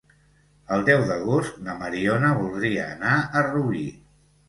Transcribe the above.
El deu d'agost na Mariona voldria anar a Rubí.